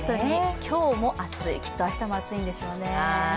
今日も暑い、きっと明日も暑いんでしょうね。